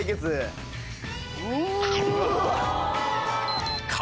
うわ！